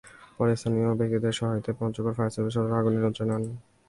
পরে স্থানীয় ব্যক্তিদের সহায়তায় পঞ্চগড় ফায়ার সার্ভিসের সদস্যরা আগুন নিয়ন্ত্রণে আনেন।